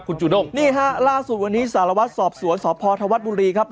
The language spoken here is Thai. คุณจูด้งนี่ฮะล่าสุดวันนี้สารวัตรสอบสวนสพธวัฒน์บุรีครับ